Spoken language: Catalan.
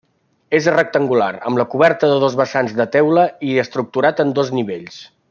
És rectangular, amb la coberta de dos vessants de teula i estructurat en dos nivells.